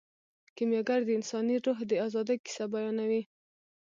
کیمیاګر د انساني روح د ازادۍ کیسه بیانوي.